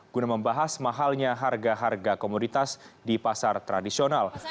guna membahas mahalnya harga harga komoditas di pasar tradisional